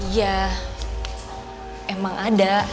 ya emang ada